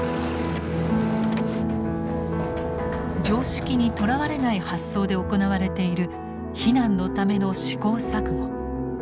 常識にとらわれない発想で行われている避難のための試行錯誤。